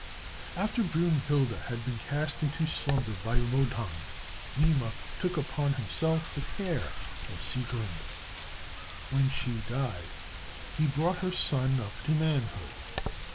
After Brünnhilde had been cast into slumber by Wotan, Mime took upon himself the care of Sieglinde. When she died, he brought her son up to manhood.